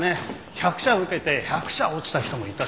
１００社受けて１００社落ちた人もいたしな。